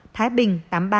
thái bình tám mươi ba